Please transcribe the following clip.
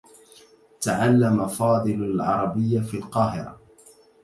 تعلّم فاضل العربيّة في القاهرة.